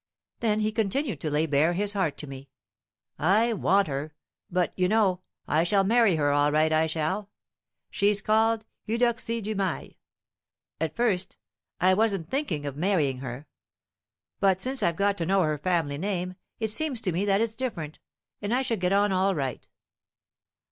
Then he continued to lay bare his heart to me "I want her; but, you know, I shall marry her all right, I shall. She's called Eudoxie Dumail. At first, I wasn't thinking of marrying her. But since I've got to know her family name, it seems to me that it's different, and I should get on all right.